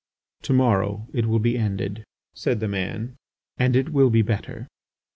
"To morrow it will be ended," said the man, "and it will be better."